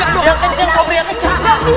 yang kenceng sobriya kenceng